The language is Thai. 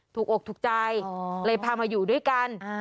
อกถูกใจเลยพามาอยู่ด้วยกัน